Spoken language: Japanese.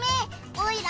オイラ